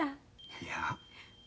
いや。